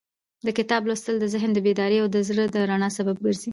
د کتاب لوستل د ذهن د بیدارۍ او د زړه د رڼا سبب ګرځي.